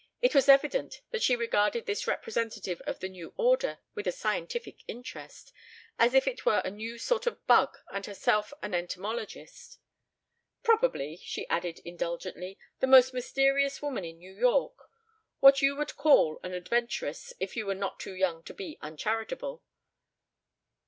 It was evident that she regarded this representative of the new order with a scientific interest, as if it were a new sort of bug and herself an entomologist. "Probably," she added indulgently, "the most mysterious woman in New York. What you would call an adventuress if you were not too young to be uncharitable.